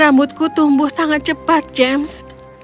rambutku tumbuh sangat cepat james